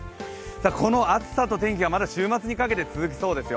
この暑さと天気は、まだ週末にかけて続きそうですよ。